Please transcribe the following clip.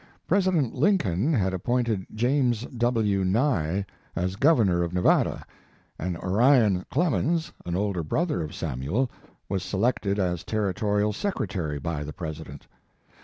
President Lincoln had appointed James W. Nye as Governor of Nevada, and Orion Clemens, an older brother of Samuel, was selected as Territorial Sec retary by the President.